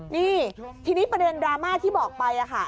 นี่ทีนี้ประเด็นดราม่าที่บอกไปค่ะ